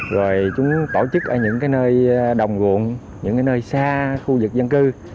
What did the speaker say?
rồi chúng tổ chức ở những nơi đồng gồm những nơi xa khu vực dân cư